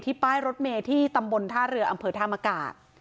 ป้ายรถเมย์ที่ตำบลท่าเรืออำเภอธามกา